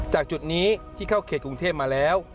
จุดนี้ที่เข้าเขตกรุงเทพมาแล้ว